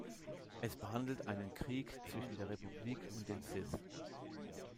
Es behandelt einen Krieg zwischen der Republik und den Sith.